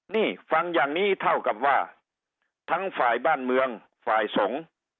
นี่ฟังอย่างนี้เท่ากับว่าทั้งฝ่ายบ้านเมืองฝ่ายสงฆ์